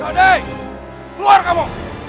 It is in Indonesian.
kio oding keluar kamu